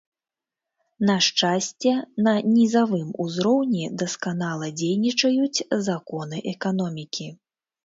На шчасце, на нізавым узроўні дасканала дзейнічаюць законы эканомікі.